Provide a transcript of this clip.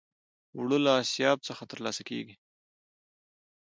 اوړه له آسیاب څخه ترلاسه کېږي